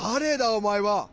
おまえは。